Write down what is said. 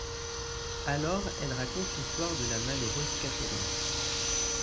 Alors elle raconte l'histoire de la «malheureuse Caterina».